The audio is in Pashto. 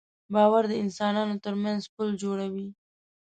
باور د انسانانو تر منځ پُل جوړوي.